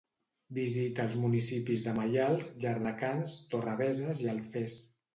Visita als municipis de Maials, Llardecans, Torrebeses i Alfés.